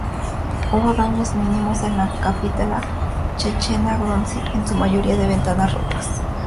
Hubo daños mínimos en la capital chechena, Grozny, en su mayoría ventanas rotas.